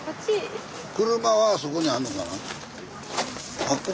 車はそこにあんのかな？